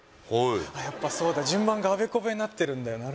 はいやっぱそうだ順番があべこべになってるんだ